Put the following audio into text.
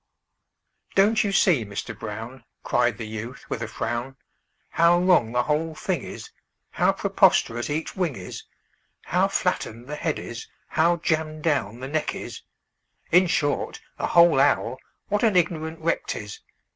"Don't you see, Mister Brown," Cried the youth, with a frown, "How wrong the whole thing is, How preposterous each wing is, How flattened the head is, how jammed down the neck is In short, the whole owl, what an ignorant wreck 't is!